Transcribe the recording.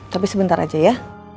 tapi sebentar aja ya